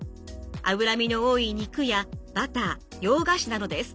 脂身の多い肉やバター洋菓子などです。